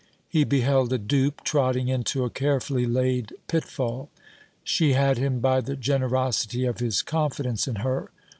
He beheld a dupe trotting into a carefully laid pitfall. She had him by the generosity of his confidence in her.